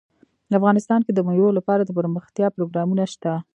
افغانستان کې د مېوې لپاره دپرمختیا پروګرامونه شته.